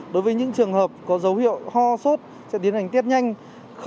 đối với những trường hợp có dấu hiệu ho sốt sẽ tiến hành test nhanh